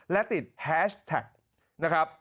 และติดแฮชแท็กนะครับ